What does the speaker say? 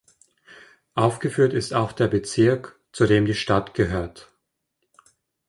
Aufgeführt ist auch der Bezirk, zu dem die Stadt gehört.